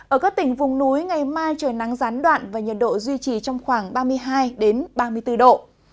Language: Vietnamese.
ở các tỉnh vùng núi ngày mai trời nắng gián đoạn và nhiệt độ duy trì trong khoảng ba mươi hai ba mươi bốn độ